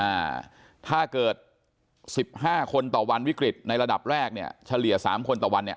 อ่าถ้าเกิดสิบห้าคนต่อวันวิกฤตในระดับแรกเนี่ยเฉลี่ยสามคนต่อวันเนี่ย